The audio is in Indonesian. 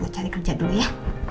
cari kerja dulu ya